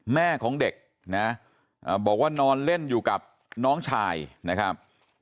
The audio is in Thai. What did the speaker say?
แม่ของเด็กนะบอกว่านอนเล่นอยู่กับน้องชายนะครับ